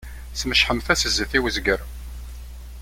Smecḥemt-as zzit i wezger.